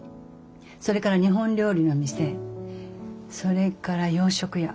それから日本料理の店それから洋食屋。